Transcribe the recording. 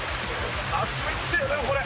つめてえな、これ。